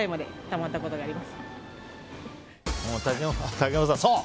竹山さん、そう！